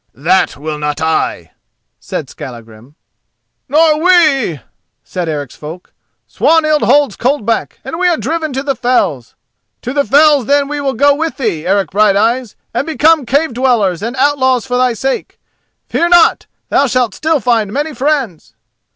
"That will not I," said Skallagrim. "Nor we," said Eric's folk; "Swanhild holds Coldback, and we are driven to the fells. To the fells then we will go with thee, Eric Brighteyes, and become cave dwellers and outlaws for thy sake. Fear not, thou shalt still find many friends."